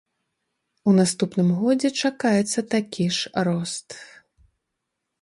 У наступным годзе чакаецца такі ж рост.